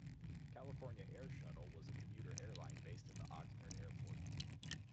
California Air Shuttle was a commuter airline based at the Oxnard Airport.